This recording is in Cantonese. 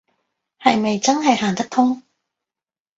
係咪真係行得通